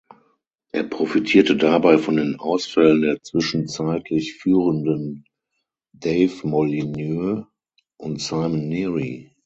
Er profitierte dabei von den Ausfällen der zwischenzeitlich führenden Dave Molyneux und Simon Neary.